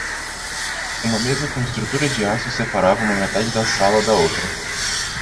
Uma mesa com estrutura de aço separava uma metade da sala da outra.